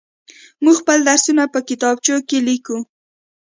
موږ خپل درسونه په کتابچو کې ليكو.